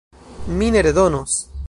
Mi ne redonos!